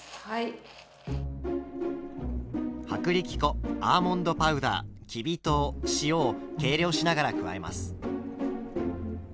薄力粉アーモンドパウダーきび糖塩を計量しながら加えます。